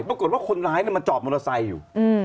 ปรากฏว่าคนร้ายมันจอดมอเตอร์ไซค์อยู่